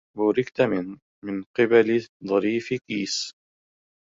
بوركت من قبل ظريف كيس